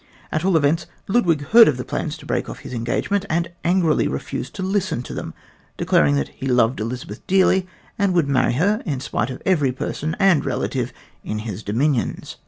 At all events, Ludwig heard of the plans to break off his engagement, and angrily refused to listen to them, declaring that he loved Elizabeth dearly and would marry her in spite of every person and relative in his dominions.